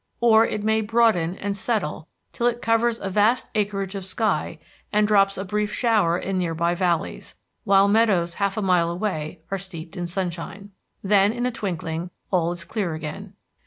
Or it may broaden and settle till it covers a vast acreage of sky and drops a brief shower in near by valleys, while meadows half a mile away are steeped in sunshine. Then, in a twinkling, all is clear again.